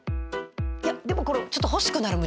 いやでもこれちょっと欲しくなる。